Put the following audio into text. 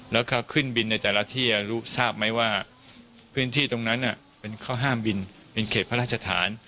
แล้วก็ขึ้นบินในแต่ละที่รู้ทราบไหมว่าพื้นที่ตรงนั้นเป็นข้อห้ามบินเป็นเขตพระราชฐาน